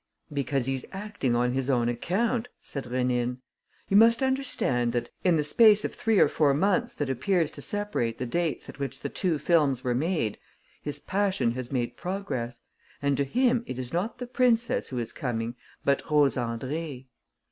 "Because he's acting on his own account," said Rénine. "You must understand that, in the space of three or four months that appears to separate the dates at which the two films were made, his passion has made progress; and to him it is not the princess who is coming but Rose Andrée."